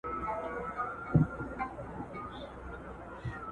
سخت تمرین ګلایکوجن سوځوي.